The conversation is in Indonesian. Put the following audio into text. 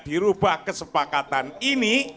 dirubah kesepakatan ini